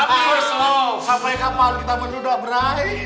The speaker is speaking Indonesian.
tapi sampai kapan kita menunda berai